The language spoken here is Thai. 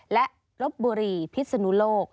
และลบบุรีพิศนุโลก